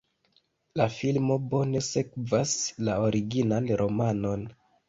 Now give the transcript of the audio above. La filmo bone sekvas la originan romanon.